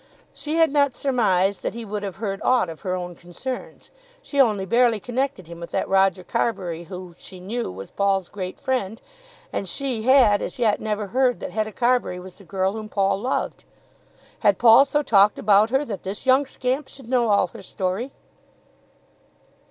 She had not surmised that he would have heard aught of her own concerns. She only barely connected him with that Roger Carbury who, she knew, was Paul's great friend, and she had as yet never heard that Hetta Carbury was the girl whom Paul loved. Had Paul so talked about her that this young scamp should know all her story?